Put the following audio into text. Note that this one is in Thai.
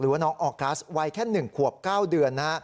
ว่าน้องออกัสวัยแค่๑ขวบ๙เดือน